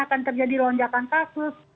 akan terjadi lonjakan kasus